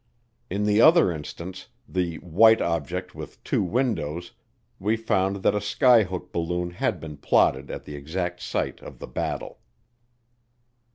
In the other instance, the "white object with two windows," we found that a skyhook balloon had been plotted at the exact site of the "battle."